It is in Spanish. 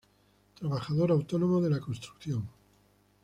Trabajador autónomo de la construcción.